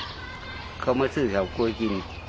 ไปเจอตอนแรกเขาเข้ามาซีเฉาโก้ยกิน